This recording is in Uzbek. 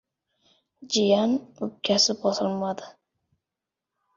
Jiyan o‘pkasini bosolmadi.